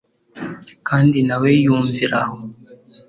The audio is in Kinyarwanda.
kandi na we yumviraho